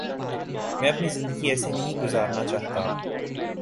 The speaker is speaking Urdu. میں اپنی زندگی ایسے نہیں گزارنا چاہتا۔